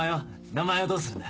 名前はどうするんだ？